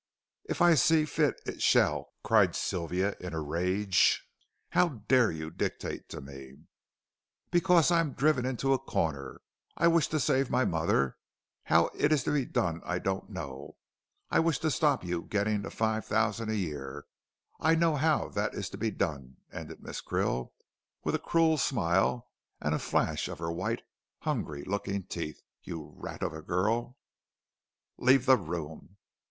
"If I see fit it shall," cried Sylvia in a rage; "how dare you dictate to me." "Because I am driven into a corner. I wish to save my mother how it is to be done I don't know. And I wish to stop you getting the five thousand a year. I know how that is to be done," ended Miss Krill, with a cruel smile and a flash of her white, hungry looking teeth; "you rat of a girl " "Leave the room."